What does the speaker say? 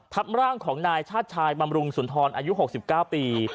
ทับร่างของนายชาติชายบำรุงสุนทรอายุ๖๙ปี